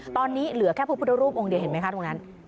ตอนนี้เหลือแค่พระพุทธรูปองค์เดียวเห็นไหมคะตรงนั้น